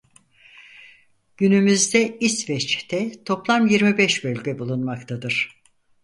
Günümüzde İsveç'te toplam yirmi beş bölge bulunmaktadır.